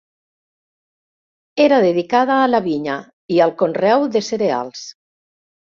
Era dedicada a la vinya i al conreu de cereals.